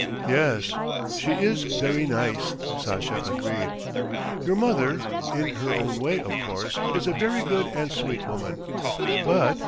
"Yes, she is very nice ..." Sasha agreed. "Your mother, in her own way of course, is a very good and sweet woman, but